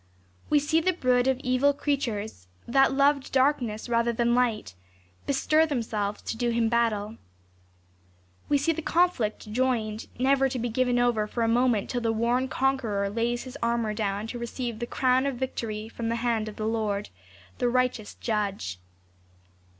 We see the brood of evil crea tures, that loved darkness rather than light, bestir themselves to do him battle. We see the conflict joined, never to be given over for a moment till the worn conqueror lays his armor down to receive the crown of victory from the hand of the Lord, the right eous Judge.